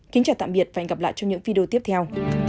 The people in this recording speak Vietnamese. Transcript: kính chào tạm biệt và hẹn gặp lại trong những video tiếp theo